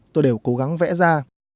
tôi đều cố gắng vẽ ra